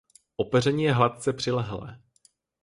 Opeření je hladce přilehlé.